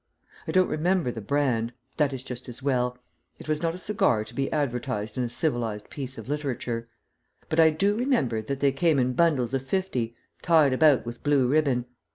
I don't remember the brand, but that is just as well it was not a cigar to be advertised in a civilized piece of literature but I do remember that they came in bundles of fifty, tied about with blue ribbon.